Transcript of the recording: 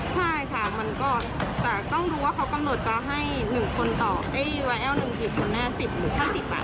ใช่ค่ะมันก็แต่ต้องรู้ว่าเขากำหนดจะให้หนึ่งคนต่อเอ้ยวัยเอ้าหนึ่งอยู่ตรงหน้าสิบหรือห้าสิบอ่ะ